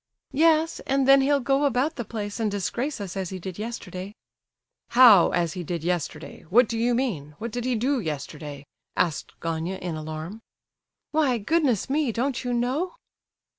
"Yes, and then he'll go about the place and disgrace us as he did yesterday." "How 'as he did yesterday'? What do you mean? What did he do yesterday?" asked Gania, in alarm. "Why, goodness me, don't you know?"